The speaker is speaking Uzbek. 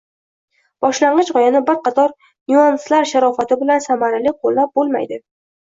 boshlang‘ich g‘oyani bir qator nyuanslar sharofati bilan samarali qo‘llab bo‘lmaydi.